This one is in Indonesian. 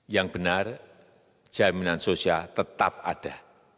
yang benar jaminan sosial tetap ada